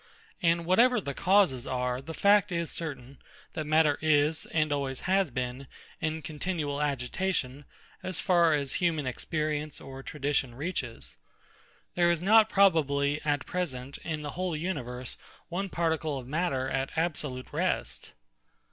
And whatever the causes are, the fact is certain, that matter is, and always has been, in continual agitation, as far as human experience or tradition reaches. There is not probably, at present, in the whole universe, one particle of matter at absolute rest.